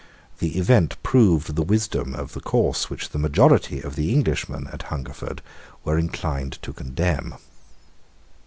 The event proved the wisdom of the course which the majority of the Englishmen at Hungerford were inclined to condemn.